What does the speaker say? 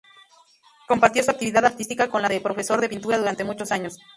Compartió su actividad artística con la de profesor de pintura durante muchos años.